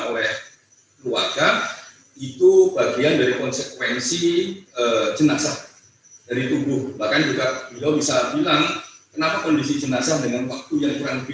oleh keluarga itu bagian dari konsekuensi jenazah dari tubuh bahkan juga bisa bilang kenapa kondisi jenazah dari satu tubuh menyebabkan kecemasan kecelakaan jenazah dari tubuh releasing jenazah yang tersebut